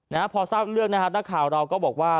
นะฮะพอทราบเรื่องนะฮะนักข่าวเราก็บอกว่า